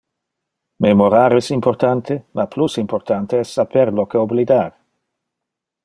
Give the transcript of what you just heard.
Memorar es importante, ma plus importante es saper lo que oblidar.